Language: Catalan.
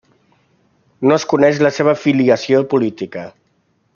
No es coneix la seva filiació política.